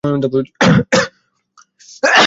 তবে এখানেও সেগুলো কিছু পরিচিত বৈশিষ্ট্য দ্বারা সীমাবদ্ধ।